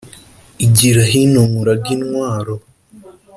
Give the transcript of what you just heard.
Igira hino nkurage intwaro